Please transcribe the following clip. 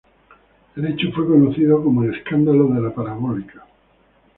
El hecho fue conocido como el escándalo de la parabólica.